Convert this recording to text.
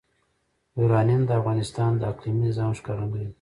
یورانیم د افغانستان د اقلیمي نظام ښکارندوی ده.